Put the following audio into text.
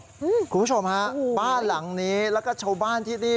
คุณผู้ชมฮะบ้านหลังนี้แล้วก็ชาวบ้านที่นี่